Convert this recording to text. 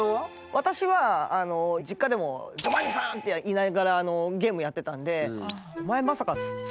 私は実家でも「ジョバンニさん！」って言いながらゲームやってたんでよく名前言ってるけど。